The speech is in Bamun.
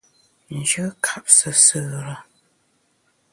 Njù kap sùsù re.